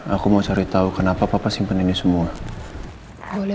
aku mau cari tahu kenapa papa simpen ini semua